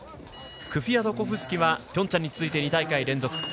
クフィアトコフスキはピョンチャンに続いて２大会連続。